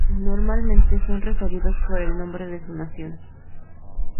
Normalmente son referidos por el nombre de su nación.